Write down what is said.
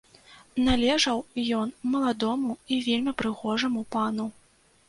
Належаў ён маладому і вельмі прыгожаму пану.